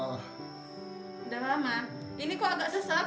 udah lama ini kok agak sesat